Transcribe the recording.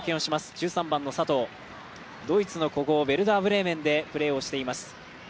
１３番の佐藤、ドイツのヴェルダー・ブレーメンでプレーをしています。